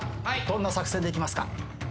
どんな作戦でいきますか？